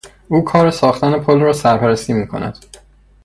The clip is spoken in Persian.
او کار ساختن پل را سرپرستی میکند.